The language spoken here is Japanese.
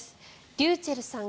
ｒｙｕｃｈｅｌｌさん